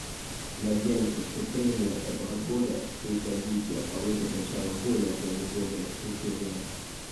Надеемся, что прения этого года и их развитие положат начало более плодотворным обсуждениям.